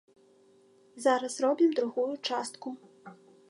Зараз робім другую частку.